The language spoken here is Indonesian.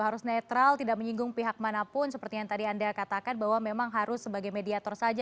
harus netral tidak menyinggung pihak manapun seperti yang tadi anda katakan bahwa memang harus sebagai mediator saja